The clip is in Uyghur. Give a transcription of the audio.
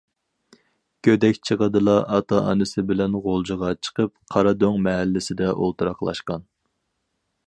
گۆدەك چېغىدىلا ئاتا- ئانىسى بىلەن غۇلجىغا چىقىپ، قارادۆڭ مەھەللىسىدە ئولتۇراقلاشقان.